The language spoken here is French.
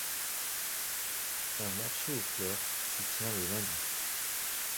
Un marché aux fleurs s'y tient le lundi.